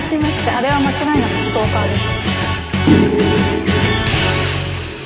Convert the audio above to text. あれは間違いなくストーカーです。